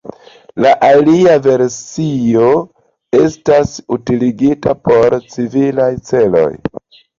La alia versio estas utiligita por civilaj celoj.